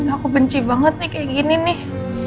aku benci banget nih kayak gini nih